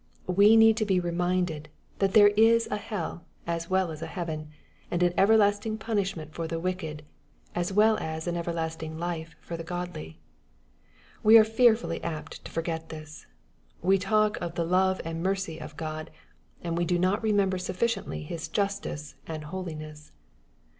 We need to be reminded, that there is a hell as well as a heaven, and an everlasting punishment for the wicked, as well as everlasting life for the godly. We are fearfully apt to forget this. We talk of the love and mercy of God, and we do not remember sufficiently His justness and holiness.